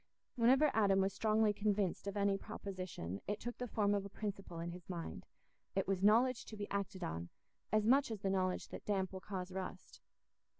Whenever Adam was strongly convinced of any proposition, it took the form of a principle in his mind: it was knowledge to be acted on, as much as the knowledge that damp will cause rust.